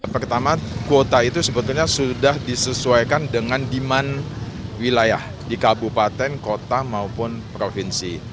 pertama kuota itu sebetulnya sudah disesuaikan dengan demand wilayah di kabupaten kota maupun provinsi